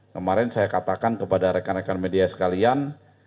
kemarin saya katakan kepada rekan rekan media sekalian